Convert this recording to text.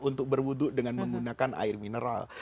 untuk berwuduk dengan menggunakan air mineral